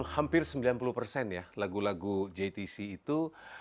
hampir sembilan puluh persen ya lagu lagu jtc itu